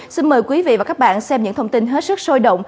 xin mời quý vị và các bạn xem những thông tin hết sức sôi động